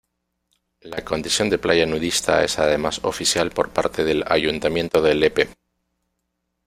La condición de playa nudista es además oficial por parte del Ayuntamiento de Lepe.